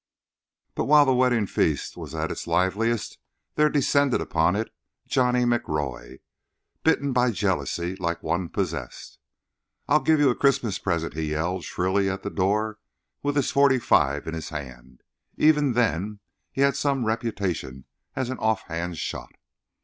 But while the wedding feast was at its liveliest there descended upon it Johnny McRoy, bitten by jealousy, like one possessed. "I'll give you a Christmas present," he yelled, shrilly, at the door, with his .45 in his hand. Even then he had some reputation as an offhand shot.